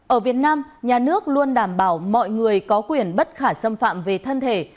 ở việt nam nhà nước luôn đảm bảo mọi người có quyền bất khả xâm phạm về thân thể